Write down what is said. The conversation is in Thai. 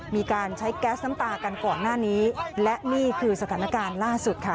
มีการใช้แก๊สน้ำตากันก่อนหน้านี้และนี่คือสถานการณ์ล่าสุดค่ะ